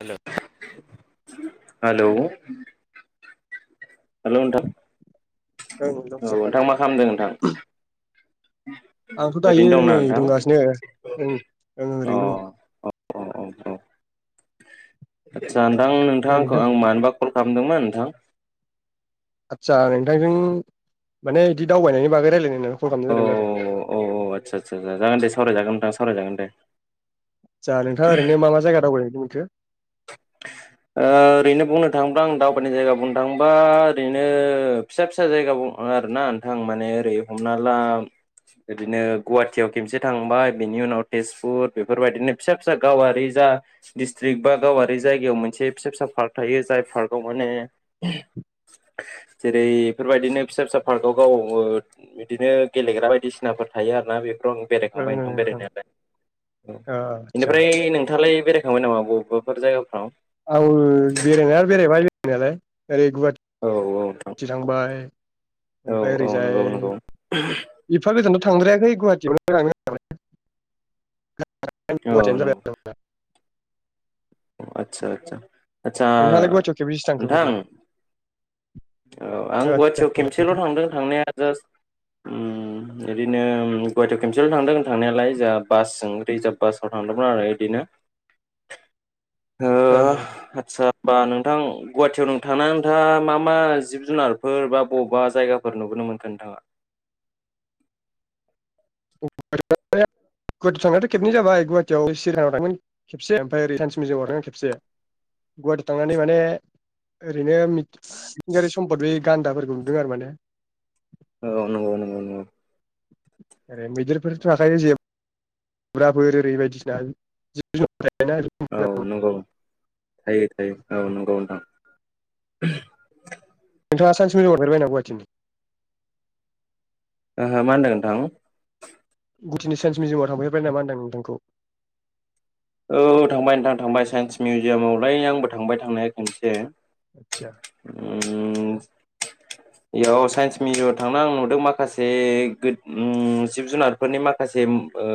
Hello हागौ। एल' नोंथां। ओं औ दं नोंथां मा खालामदों नोंथां। आंथ' दायो ओरैनो दंना नै नोंथां दंगासिनोओंं ओरैनो दङ। औ अ औ औ जानदां दङ दे नोंथांखौ नोंथां आं मानोबा कल खामदोंमोन नोंथां। आदसा नोंथांजों माने बिदि दावबायनायनि बागै रायलायनो होननानै अ औ औ आदसा आदसा सा जागोन दे सावरायजागोन नोंथां सावरायजागोन दे। आदसा नोंथाङा ओरैनो मा मा जायगा दावबायहैनो मोन खो? ओ ओरैनो बुंनो थाङोब्ला आं दावबायनाय जायगा बुंनो थाङोबा ओरैनो फिसा फिसा जायगा बुं ओ आरोना नोंथां माने ओरै हमना ला ओरैनो गुवाहाटियाव खेमसे थांबाय बिनि उनाव तेजपुर बेफोरबायदिनो फिसा फिसा गावारि जा डिस्ट्रिक्ट बा गावारि जायगायाव मोनसे फिसा फिसा पार्क थायो जाय पार्कआव माने जेरै बेफोरबायदिनो फिसा फिसा पार्कआव गाव ओ बिदिनो गेलेग्रा बायदिसिनाफोर थायो आरोना बे फोराव बेरायखांबाय ओं ओं नोंथां बेरायनायालाय ओ आदसा बेनिफ्राय नोंथाङालाय बेराय थांबाय नामा बबावबा फोर जायगाफ्राव? आंबो बेरायनाया बेरायबाय बे रायनायालाय। ओरै औ नोंथां गुवाहाटि थांबाय औ ओमफाय औ ओरैजाय नंगौ नंगौ एफा गोजानाव थांद्रायाखै गुवाहाटियावनो थांनाय जाबाय। [unintelligible] औ गुवाहाटियानो जाबाय नंगौ आरो नोंना? आदसा आदसा आदसा नोंथाङालाय गुवाहाटियाव खेबबेसे थांखो नोंथां बायदि औ आं आदसा गुवाहाटियाव खेमसेल' नोंथां थांदों थांनाया जास्ट उम इदिनो गुवाहाटि खेमसेल थांदों थांनायालाय जोंहा बासजों रिजार्भ बासाव थांदोंमोन आरो इदिनो। ओं ओं बा नोंथां गुवाहाटियाव नों थांना नोंथाङा मा मा जिब जुनारफोर बा बबा जायगाफोर नुुबोनो मोनखो नोंथाङा? [unintelligible] गुवाहाटियाव थांनायाथ' खेबनै जाबाय गुवाहाटियाव चिरिया खानायाव थांदोंमोन खेबसे ओमफाय ओरै साइन्स मिउजियामाव थांदों खेबसे गुवाहाटियाव थांनानै माने ओरैनो मि मिथिंगायारि सम्पद बे गान्दाफोरखौ नुदों आरो माने। औ नोंगौ नोंगौ नोंगौ। ओरै मैदेरफोरथ' थाखायो जे बुराफोर ओरै बायदिसिना जिब जु औ नोंगौ थायो थायो औ नोंगौ। औ नोंथाङा साइन्स मिउजियामाव थांफेरबायना गुवाहाटिनि? ओहो मा होनदों नोंथां? गुवाटिनि साइन्स मिउजियामाव थांफेरबाय नामा होनदां नोंथांखौ? औ थांबाय नोंथां थांबाय साइन्स मिउजियामावलाय आंबो थांबाय थांनाया खोनसे। आदसा उम इयाव साइन्स मिउजियामाव थांना आं नुदों माखासे गो ओम जिब जुनारफोरनि माखासे ओ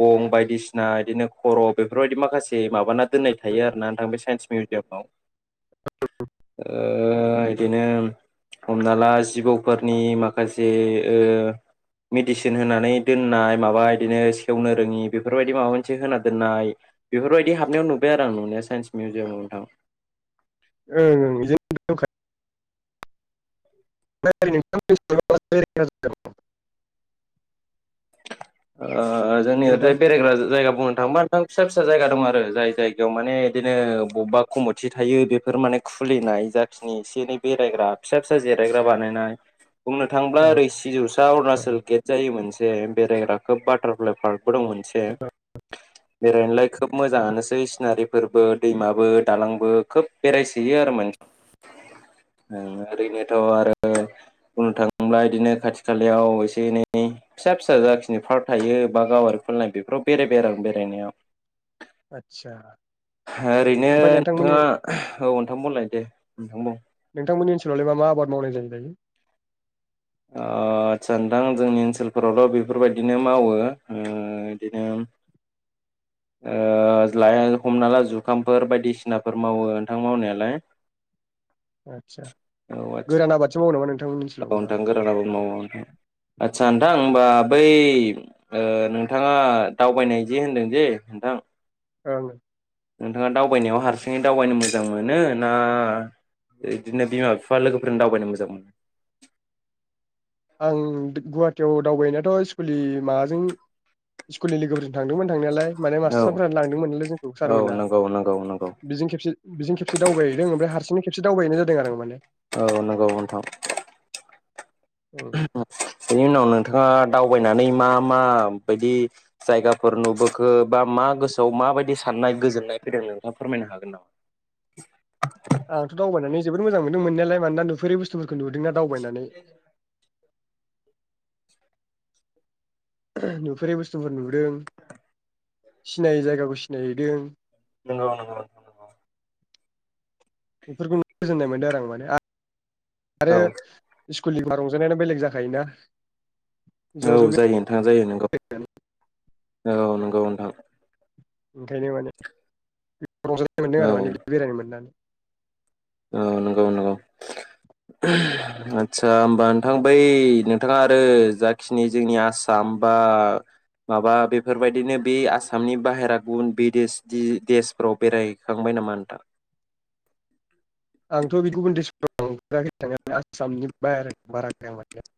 गं बायदिसिना इदिनो खर' बेफोरबायदि माखासे माबाना दोननाय थायो आरोना नोंथां बे साइन्स मिउजियामाव। ओ ओ इदिनो हमना ला जिबौफोरनि माखासे ओ मेडिसिन होनानै दोननाय माबा इदिनो सेवनो रोङि बेफोरबायदि माबा मोनसे होना दोननाय बेफोरबायदि हाबनायाव नुबाय आरो आं नुनाया साइन्स मिउजियामाव नोंथां। ओं [unintelligible] [unintelligible] ओ जोंनि ओरैजाय नोंथां बेरायग्रा जायगाबो बुंनो थाङोबा नोंथां फिसा-फिसा जायगा दं आरो जाय जायगायाव माने बिदिनो बबेबा कमिटि थायो बेफोर माने खुलिनाय जाखिनि एसे एनै बेरायग्रा फिसा-फिसा जिरायग्रा बानायनाय बुंनो थाङोब्ला अ ओरै सिजौसा अरुणाचल गेट जायो मोनसे जे बेरायग्रा खोब बाटारफ्लाइ पार्क बो दं मोनसे बेरायनोलाय खोब मोजाङानोसै सिनारि फोरबो दैमाबो दालांबो खोब बेरायसोयो आरो [unintelligible] ओ ओरैनोथ' आरो बुंनो थाङोब्ला इदिनो खाथि खालायाव एसे-एनै फिसा-फिसा जाखिनि फार्क थायो बा गावारि खुलिनाय बेफोराव बेरायबाय आरो आं बेरायनायाव आदसा ओरैनो ओमफ्राय नोंथांमोननि नोंथाङा [unintelligible] औ नोंथां बुंलाय दे नोंथां बुं नोंथांमोननि ओनसोलावलाय मा मा आबाद मावनाय जायो दायो? ओ आतसा नोंथां जोंनि ओनसोलफोरावल' बेफोरबायदिनो मावो ओ इदिनोम ओ लाइ आरो हमना ला जुखामफोर बायदिसिनाफोर मावो नोंथां मावनायालाय आसा औ आदसा गोरान आबादसो मावयो नामा नों औ नोंथां गोरानाबो मावो नोंथां आतसा नोंथां होमबा बै ओ नोंथाङा दावबायनाय जे होनदों जे नोंथां आं नोंथाङा दावबायनायाव हारसिङै दावबायनो मोजां मोनो ना इदिनो बिमा-बिफा लोगोफोरजों दावबायनो मोजां मोनो? आं गुवाहाटियाव दावबायनायाथ' स्कुलनि माबाजों स्कुलनि लोगोफोरजों थांदोंमोन थांनायालाय माने औ मास्टारफोरा लांदोंमोनालै जोंखौ औ सारमोना नंगौ नंगौ नंगौ बेजों खेबसे बेजों खेबसे दावबायहैदों ओमफ्राय हारस हारसिंबो खेबसे दावबायहैनाय जादों आरो माने। औ नंगौ नोंथां [unintelligible] बेनि उनाव नोंथाङा आ दावबायनानै मा मा बायदि जायगाफोर नुबोखो बा मा गोसोआव माबायदि साननाय गोजोननाय फैदों नोंथाङा फोरमायनो हागोन नामा? आंथ' दावबायनानै जोबोद मोजां मोनो मोननायालाय मानोना नुफेरै बुस बुस्थुफोरखौ नुदोंना दावबायनानै नुफेरै बुस्थुफोर नुबोदों सिनायै जायगाखौ सिनायहैदों नंगौ नंगौ नोंथां [unintelligible] बेफोरखौ [unintelligible] गोजोननाय मोनदों आरो आं माने [unintelligible] आरो औ कुलनिबा रंजानायानो बेलेग जाखायोना औ ज' ज' बे जायो नोंथां जायो नंगौ औ नंगौ नोंथां ओंखायनो माने रंजानाय मोनदों औ आरो माने बेदि बेरायनो मोननानै। औ नंगौ-नंगौ आस्सा होमबा नोंथां बै नोंथाङा आरो जाखिनि जोंनि आसाम बा माबा बेफोरबायदिनो बे आसामनि बाहेरा गुबुन बिदेश देशफोराव बेरायहैखांबाय नामा नोंथां? आंथ' बेदि गुबुन डिस्ट्रिक्टाव थांफेराखै थांनाया आसामनि बाहेरायाव बेरायाखै माने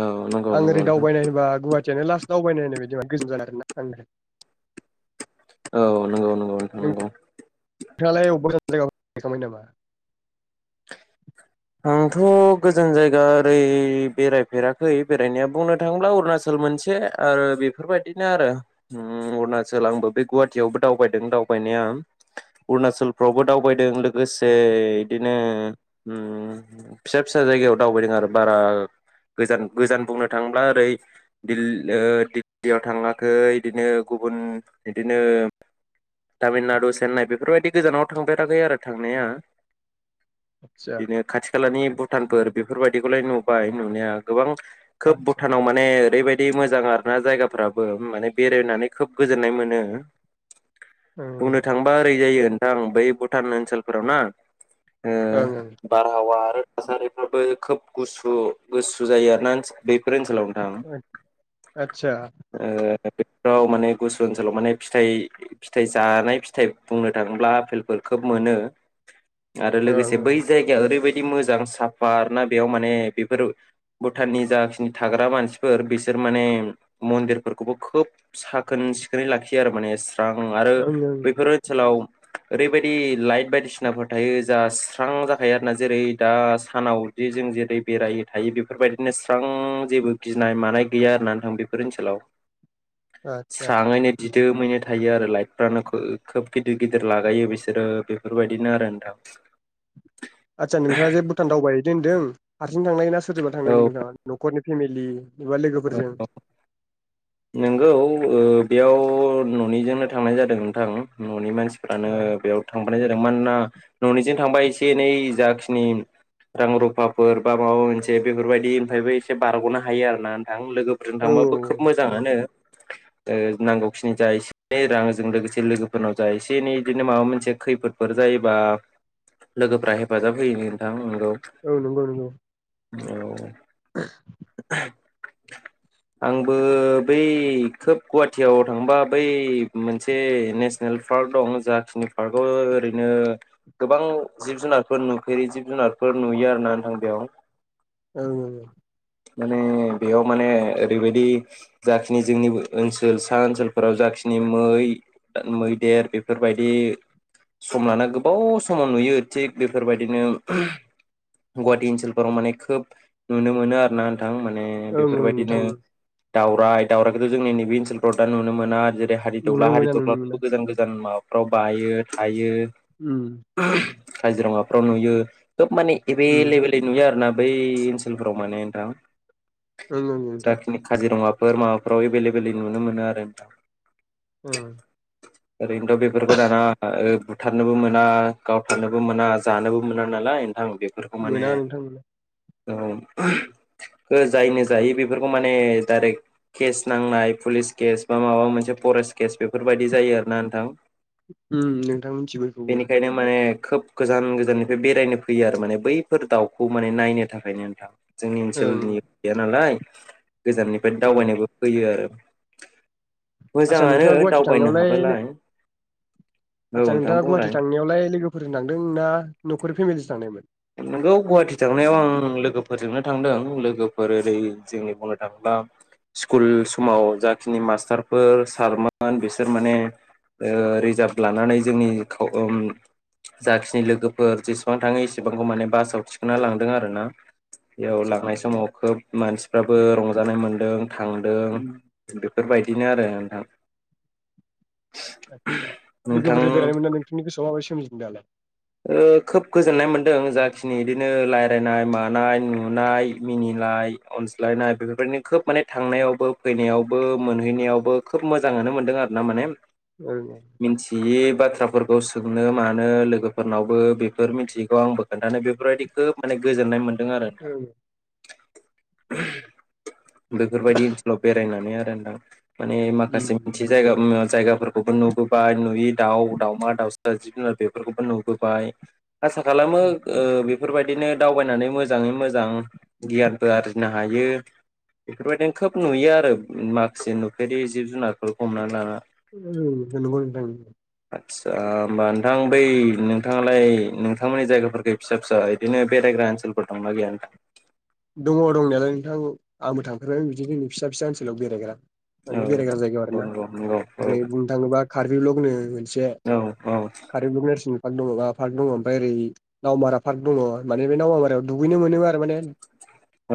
औ नंगौ आं नंगौ ओरै नोंथां दावबायनाय होनबा गुवा तीयानो लास दावबायनाय होननाय बायदिा गोजोन जानाय आर ना। आं औ नंगौ नंगौ नोंथां नंगौ। नोंथाङालाय [unintelligible] नामा। आंथ' गोजान जायगा ओरै बेरायफेराखै बेरायनाया बुंनो थाङोब्ला अरुणाचल मोनसे आरो बेफोरबायदिनो आरो अरुणाचल आंबो बे गुवाहाटियावबो दावबायदों दावबायनाया अरुणाचलफ्रावबो दावबायदों। लोगोसे ओं बिदिनो। ओम फिसा फिसा जायगायाव दावबायदों आरो बारा गोजान गोजान बुंनो थाङ्ला ओरै दिल्लीयाव थाङाखै बिदिनो गुबुन बिदिनो तामिलनाडु चेन्नाइ बेफोरबायदि गोजानाव थांफेराखै आरो थांनाया। आतसा। खेलानि भुटानफोर बेफोरबायदिखौलाय नुबाय नुनाया गोबां खोब आदसा भुटानाव माने ओरैबाय दि मोजां आर ना जायगाफ्राबो माने बेरायनानै खोब गोजोननाय मोनो। ओं बुंनो थांबा ओरै जायो। नोंथां बै भुटान ओनसोलफोराव ना। ओं ओं ओ बारहावा आरो थासारिफ्राबो खोब ग गुसु जायो आरोना फोर-बेफोर ओन हेलौ नोंथां ओं आदसा ओ बेफोराव माने गुसु ओनसोलाव माने फिथाइ फिथाइ जानाय फिथाइ बुंनो थाङोब्ला आफेलफोर खोब मोनो। आरो ओं लोगोसे ओं बै ओरैबायदि मोजां साफा आरोना बेयाव माने बेफोर भुटाननि जाखिनि थाग्रा मानसिफोर बिसोर माने मन्दिरफोरखौबो खोब साखोन सिखोनै लाखियो आरो माने। आं आरो ओं ओं बैफोर ओनसोलाव ओरैबायदि लाइट बायदिसिनाफोर थायो जा स्रां जा थायो आरोना जेरै दा सानावदि जों जेरै बेराय थायो बेफोरबायदिनो स्रां जेबो गिनाय मानाय गैया आरना नोंथां बेफोर ओनसोलाव। आदसा स्रांयैनो दि दोमैनो थायो आरो लाइटफ्रानो खोब खोब गिदिर गिदिर लागायो बिसोरो बेफोरबायदिनो आरो नोंथां। आदसा नोंथाङा जे भुटान दावबाय दों होनदों बिजों थांनाया सोरबा थांमोनोंथाङा न'खरनि फेमलि [unintelligible] नोंखौ ओ बेयाव न'निजोंनो थांनाय जादों नोंथां न'नि मानसि। फ्रानो औ बेयाव [unintelligible] खनाय जादों मानोना न'निजों थांबा एसे एनै जाखिनि रां रुफाफोर बा माबा मोनसे बेफोरबायदिनिफ्रायबो एसे बारग'नो हायो आरोना। आं लोगोफोरजों थांबाबो खोब मोजाङानो। औ नांगौखिनि जा एसे एनै रांजों लोगोसे लोगोफोरनाव जा एसे एनै इदिनो माबा मोनसे खैफोदफोर जायोबा लोगोफ्रा हेफाजाब होयो नोंथां। नंगौ औ नंगौ नंगौ। औ। [unintelligible] आंबो बै खोब गुवाहाटियाव थांबा बै मोनसे नेसनेल पार्क दं जाखिनि पार्कआव ओरैनो गोबां जिब जुनारफोर नुफेरि जिब जुनारफोर नुयो आर ना नोंथां बेयाव। औ। माने बेयाव माने ओरैबायदि जाखिनि जोंनि ओनसोल सा ओनसोलफोराव जाखिनि मै मैदेर बेफोरबायदि सम लाना गोबाव समाव नुयो थिग बेफोरबायदिनो गुवाहाटि ओनसोलफोराव माने खोब नुनो मोनो आरो। ना थां माने ओं ओं बेफोरबायदिनो नोंथां दावराय दावरायखौथ' जोंनि नैबे ओनसोलफ्राव दा नु मोना हादि नुनो दग्ला मोना हादिग्ला नुनो मोना फोरखौ गोजान गोजान माबा फ्राव बायो थायो। उम। काजिरङाफ्राव नुयो। खोब माने उम एबेलेबेलै नुयो आरो ना‌। बै ओनसोलफोराव माने औ। ओं ओं नोंथां जाखिनि काजिरङा फोर माबाफ्राव एभेलेबेलै नुनो मोनो आरो नोंथां। ओं ओरैनोथ' बेफोरखौ दाना ओ बुथारनोबो मोना गावथारनोबो मोना जानोबो मोना नालाय। आं बेफोरखौ मोना माने नोंथां मोना औ। ओ जायनो जायो बेफोरखौ माने डाइरेक्ट केस नांनाय पुलिस केस बा माबा मोनसे फरेस्ट केस बेफोरबायाददि जायो आर ना नोंथां। ओम नोंथां मिथिंगौ‌ इखौबो। बेनिखायनो माने खोब गोजान गोजाननिफ्राय बेरायनो फैयो आरो माने बैफोर दाउखौ माने नायनो थाखायनो नोंथां जों ओं [unintelligible] गैया नालाय। गोजाननिफ्राय उम दावबायनोबो फैयो आरो। आदसा मोजाङानो नोंथाङा गुवाहाटि दावबायनो थांनायावलाय हाबालाय। औ आदसा नोंथां नोंथाङा बुंलाय गुवाहाटि थांनायावलाय लोगोफोरजों थांदों ना न'खर फेमिलिजों थांनायमोन? नंगौ गुवाहाटि थांनायाव आं लोगोफोरजोंनो थांदों लोगोफोर ओरै जोंनि बुंनो थाङोब्ला स्कुल समाव जाखिनि मास्टारफोर सारमोन बिसोर माने ओ रिजार्भ लानानै जोंनि खाव ओम जाखिनि लोगोफोर जेसेबां थाङो बेफोरखौ माने बासाव थिखांना लांदों आरो ना। बेयाव आदसा लांनाय समाव खोब मानसिफ्राबो रंजानाय मोनदों। उम थांदों बेफोरबायदि बिदिनो आरो नोंथां आदसा नोंथां लोगोफोरजों बेरायनो मोना नोंथांनि गोसोआव माबाय सोम दालाय ओ खोब गोजोननाय मोन्दों जाखिनि इदिनो रायज्लायनाय मानाय नुनाय मिनिलाय अनज्लायनाय बेफोरबायदिनो खोब माने थांनायावबो फैनायावबो मोनहैनायावबो खोब मोजाङानो मोनदों आरो ना माने। ओं मिथियिब बाथ्राफोरखौ सोंनो मानो लोगो। फोरनावबो बेफोर मिथियैखौ आंबो खोन्थानो बेफोरबायदि खोब माने गोजोननाय मोन दों आरो‌ थां ओं [inaudible] बेफोरबायदि ओनसोलाव बेरायनानै आर दा नथां माने उम माखासे मिथि नोंथां जायगा उम जायगाफोर खौबो नुबोबाय नुयि दाउ दावमा दाउसा जिब जुनार बेफोरखौबो नु बोबाइ आसा खालामो ओ बेफोरबायद दिनो दावबायनानै मोजाङै मोजां गियानफोर आरजिनो हायो बेफोरबायदिनो खोब नुयो आरो माखासे नुफेरि जिब जुनारखौ हमना लाना। ओं नंगौ नोंथां सा होमबा नोंथां बै नों थाङालाय नोंथांमोननि जायगाफोरफोरखौ फिसा फिसा इदिनो बेरायग्रा ओनसोलफोर दंनाा गैया नोंथां। दङ दंनायालाय नोंथां आंबो थांफेरबायानो बिदि जोंनि फिसा फिसा ओनसोलाव बेरायग्रा। माने बेरायग्रा जायगायाव आरो औ ना नंगौ नंगौ औ ओरै बुंनो थाङोबा कार्बि ब्लकनो मोनसे औ औ कार्बि ब्लक नेरसन पार्क दङबा पार्क दङ ओमफाय ओरै नावमारा पार्क दङ माने बे नावमारायाव दुगैनो मोनो आरो माने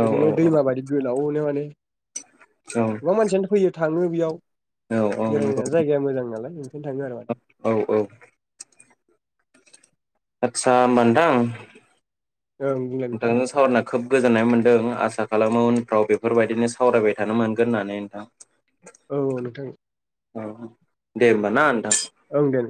औ ओरैहाय दैमा बादि गोलावो माने। गोबां मानसियानो फै थाङो बेयाव औ नंगौ बेरायनाया जायगाया मोजां नालाय ओंखायनो थाङो आरो माने। औ औ आतसा ओमबा नोंथां ओं बुंलाय नोंथां नोंथांजों सावरना खोब। गोजोननाय मोन्दों आसा खालामो उनफ्राव बेफोरबायदिनो सावरायबाय थानो मोनगोन होननानै ओनथां। औ नोंथां औ दे होमबा ना। ओं देन